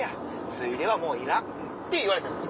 ついではもういらん」って言われた。